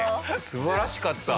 素晴らしかった。